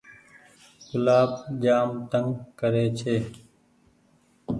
گلآب جآم تنگ ڪري ڇي۔